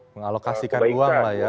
mengalokasikan uang lah ya